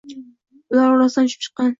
Ular orasidan uchib chiqqan